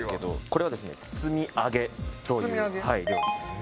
これはですね包み揚げという料理です。